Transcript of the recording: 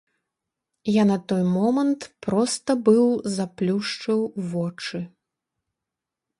Я на той момант проста быў заплюшчыў вочы.